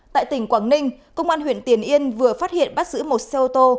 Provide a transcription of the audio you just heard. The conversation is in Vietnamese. tại tỉnh quảng ninh công an huyện tiền yên vừa phát hiện bắt giữ một xe ô tô